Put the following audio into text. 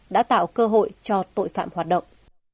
đã tạo cơ hội cho tội phạm hoạt động